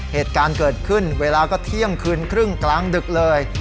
เหตุการณ์เกิดขึ้นเวลาก็เที่ยงคืนครึ่งกลางดึกเลย